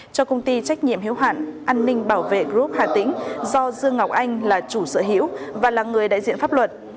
cho công ty trách nhiệm hiếu hạn an ninh bảo vệ group hà tĩnh do dương ngọc anh là chủ sở hữu và là người đại diện pháp luật